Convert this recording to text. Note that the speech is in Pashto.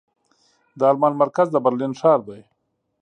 د المان مرکز د برلين ښار دې.